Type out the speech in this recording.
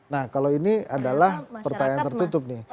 nah kalau ini adalah pertanyaan tertutup nih